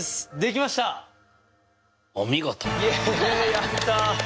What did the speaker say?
やった！